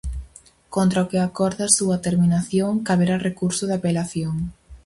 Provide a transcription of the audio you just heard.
Contra o que acorde a súa terminación, caberá recurso de apelación.